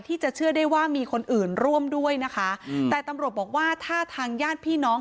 ที่จะเชื่อได้ว่ามีคนอื่นร่วมด้วยนะคะแต่ตำรวจบอกว่าถ้าทางญาติพี่น้อง